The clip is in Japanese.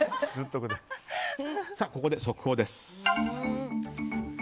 ここで速報です。